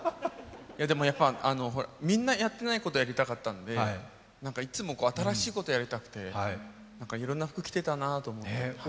でも、やっぱ、みんなやってないことやりたかったので、いつも新しいことやりたくて、いろんな服を着てたなあと思って。